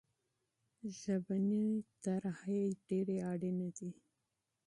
ژبني پلانونه ډېر اړين دي.